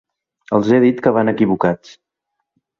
Els he dit que van equivocats.